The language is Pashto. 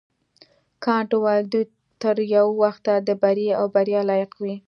کانت وویل دوی تر یو وخته د بري او بریا لایق وي.